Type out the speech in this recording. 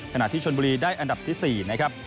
ขณะที่ชนบุรีได้อันดับที่๔